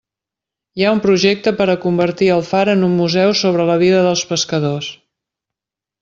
Hi ha un projecte per a convertir el far en un museu sobre la vida dels pescadors.